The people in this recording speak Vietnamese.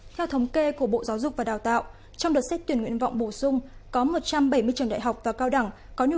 thông kê của bộ giáo dục và đào tạo